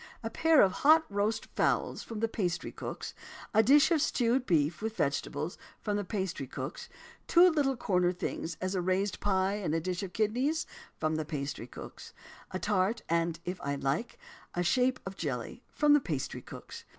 A pair of hot roast fowls from the pastry cook's; a dish of stewed beef, with vegetables from the pastry cook's; two little corner things, as a raised pie and a dish of kidneys from the pastry cook's; a tart, and (if I liked) a shape of jelly from the pastry cook's.